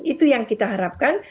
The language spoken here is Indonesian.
itu yang kita harapkan